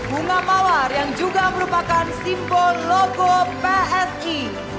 bunga mawar yang juga merupakan simbol logo psi